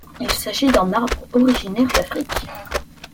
Il s'agit d'un arbre, originaire d'Afrique.